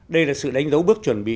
đây là sự đánh dấu bước chuẩn bị